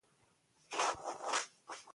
علم د سالم رقابت فضا رامنځته کوي.